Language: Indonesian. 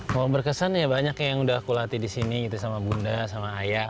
kalau berkesan ya banyak yang udah kulatih disini gitu sama bunda sama ayah